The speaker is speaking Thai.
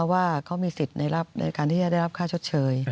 ว่าเขามีสิทธิ์ในการที่จะได้รับค่าชดเชย